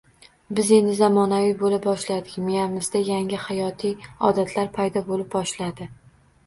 Biz endi zamonaviy bo’la boshladik, miyamizda yangi hayotiy odatlar paydo bo’lib boshladi